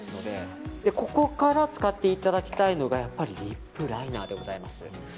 ここから使っていただきたいのがリップライナーでございます。